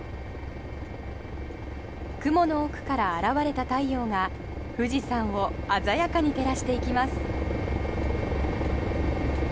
雲の奥から現れた太陽が富士山を鮮やかに照らしていきます。